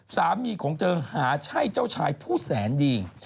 สามีของเธอหาใช่เจ้าชายผู้แสนดี